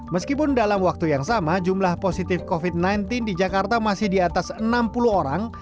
meskipun dalam waktu yang sama jumlah positif covid sembilan belas di jakarta masih di atas enam puluh orang